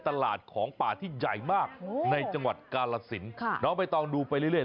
ตลาดของป่าที่ใหญ่มากในวัฒนธ์กาลสินค่ะน้องดูไปเรื่อยเรื่อย